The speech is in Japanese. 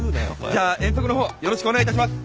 じゃあ遠足の方よろしくお願いいたします。